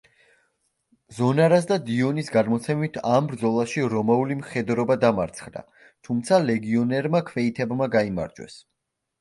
ზონარას და დიონის გადმოცემით, ამ ბრძოლაში რომაული მხედრობა დამარცხდა, თუმცა ლეგიონერმა ქვეითებმა გაიმარჯვეს.